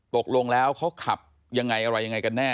ตกลงแล้วเขาขับยังไงอะไรยังไงกันแน่